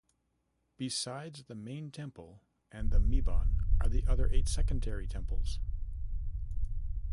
Besides the main temple and the mebon there are other eight secondary temples.